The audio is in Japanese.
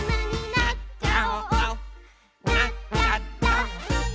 「なっちゃった！」